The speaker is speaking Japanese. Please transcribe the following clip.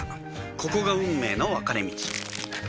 ここが運命の分かれ道